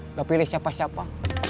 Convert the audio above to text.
nggak pilih siapa siapa